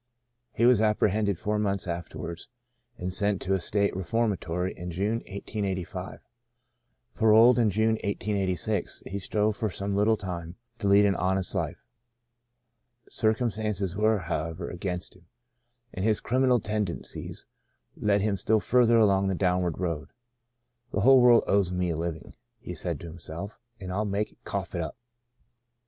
He was ap prehended four months afterwards, and sent 98 Sons of Ishmael to a state reformatory in June, 1885. Paroled in June, 1886, he strove for some little time to lead an honest life. Circumstances were, how ever, against him, and his criminal tenden cies led him still further along the downward road. " The whole world owes me a living," he said to himself, " and I'll make it ' cough up.'